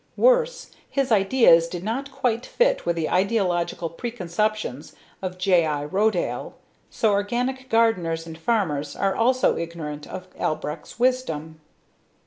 Worse, his ideas did not quite fit with the ideological preconceptions of J.l. Rodale, so organic gardeners and farmers are also ignorant of Albrecht's wisdom.